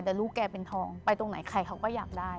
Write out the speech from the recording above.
แต่ลูกแกเป็นทองไปตรงไหนใครเขาก็อยากได้